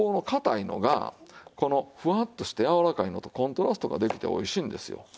このフワッとしてやわらかいのとコントラストができておいしいんですよ。